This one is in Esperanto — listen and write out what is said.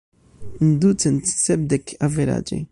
Ducent sepdek, averaĝe.